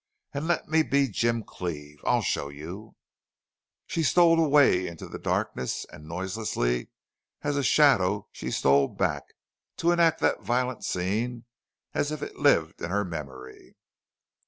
And let me be Jim Cleve!... I'll show you!" Joan stole away in the darkness, and noiselessly as a shadow she stole back to enact that violent scene as it lived in her memory.